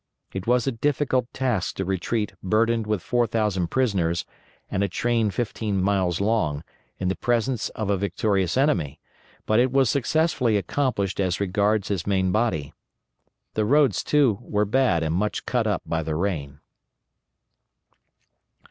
It was a difficult task to retreat burdened with 4,000 prisoners, and a train fifteen miles long, in the presence of a victorious enemy, but it was successfully accomplished as regards his main body. The roads, too, were bad and much cut up by the rain.